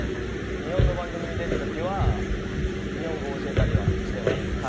日本の番組に出るときは、日本語を教えたりします。